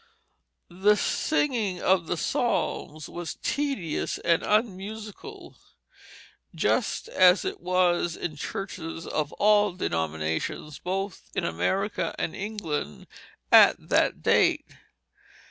The singing of the psalms was tedious and unmusical, just as it was in churches of all denominations both in America and England at that date.